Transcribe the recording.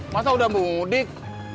masa udah mudik